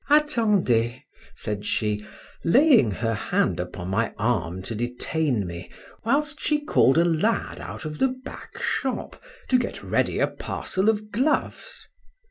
—Attendez! said she, laying her hand upon my arm to detain me, whilst she called a lad out of the back shop to get ready a parcel of gloves.